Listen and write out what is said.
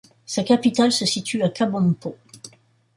Sa capitale se situe à Kabompo.